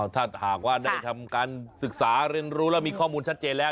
ถ้าหากว่าได้ทำการศึกษาเรียนรู้แล้วมีข้อมูลชัดเจนแล้ว